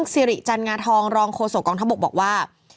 สิริจันงาทองรองโฆษกองทัพบกบอกว่า